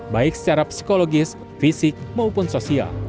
baik secara psikologis fisik maupun sosial